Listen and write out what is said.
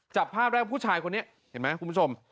จับภาพได้ผู้ชายคนนี้เห็นไหมคุณผู้ชม